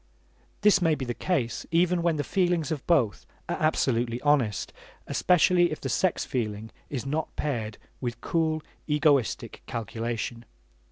This may be the case even when the feelings of both are absolutely honest, especially if the sex feeling is not paired with cool egoistic calculation.